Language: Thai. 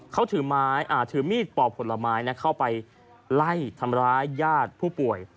เขาถือไม้ถือมีดปอกผลไม้เข้าไปไล่ทำร้ายญาติผู้ป่วย